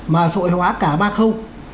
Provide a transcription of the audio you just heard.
mà sòi hóa cả ba khâu